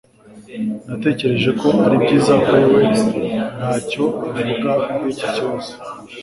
natekereje ko ari byiza kuri we ntacyo avuga kuri iki kibazo